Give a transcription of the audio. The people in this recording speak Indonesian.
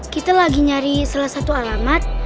kita lagi nyari salah satu alamat